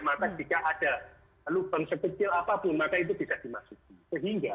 maka jika ada lubang lubang tembang lantuk atau ujung tombak ini bertambah banyak maka jika ada lubang lubang tembang juga ada